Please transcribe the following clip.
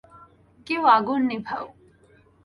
কেউ আগুন নিভাও।